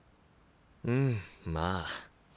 うんまあ。